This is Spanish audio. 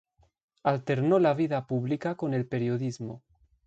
Alternó la vida pública con el periodismo.